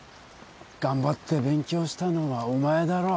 頑張って勉強したのはお前だろ。